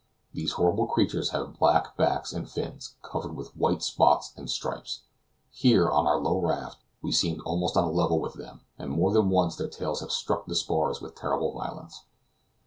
These horrible creatures have black backs and fins, covered with white spots and stripes. Here, on our low raft, we seemed almost on a level with them, and more than once their tails have struck the spars with terrible violence.